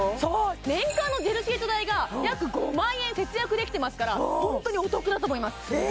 年間のジェルシート代が約５万円節約できてますから本当にお得だと思いますえ